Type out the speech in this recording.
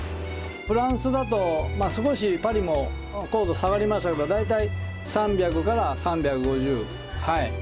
フランスだと少しパリも硬度下がりますけど大体３００３５０。